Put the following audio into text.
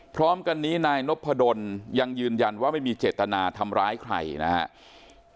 พร้อมกันนี้นายนพดลยังยืนยันว่าไม่มีเจตนาทำร้ายใครนะครับ